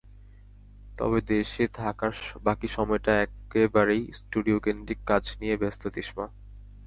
তবে দেশে থাকার বাকি সময়টা একেবারেই স্টুডিওকেন্দ্রিক কাজ নিয়ে ব্যস্ত তিশমা।